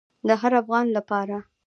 د هر افغان لپاره.